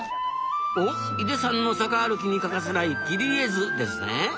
おっ井手さんの坂歩きに欠かせない「切絵図」ですね。